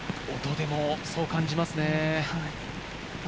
とてもそう感じますね。